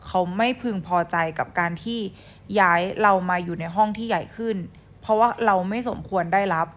เขาไม่พึงพอใจกับการที่ย้ายเรามาอยู่ในห้องที่ใหญ่ขึ้นเพราะว่าเราไม่สมควรได้รับ